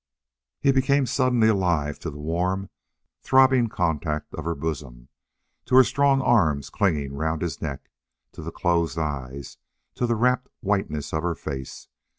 He became suddenly alive to the warm, throbbing contact of her bosom, to her strong arms clinging round his neck, to her closed eyes, to the rapt whiteness of her face.